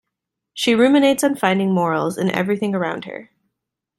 She ruminates on finding morals in everything around her.